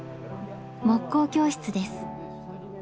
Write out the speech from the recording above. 木工教室です。